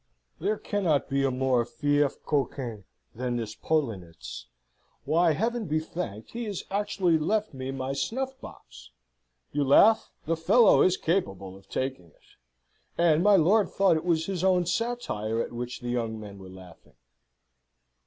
"There cannot be a more fieffe coquin than this Poellnitz. Why, Heaven be thanked, he has actually left me my snuff box! You laugh? the fellow is capable of taking it." And my lord thought it was his own satire at which the young men were laughing.